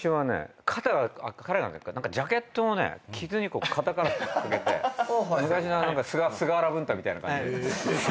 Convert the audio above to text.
肩彼ジャケットを着ずに肩からかけて昔の菅原文太みたいな感じで。